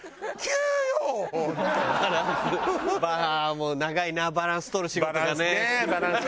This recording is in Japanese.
もう長いなバランスとる仕事がね。